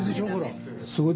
すごい！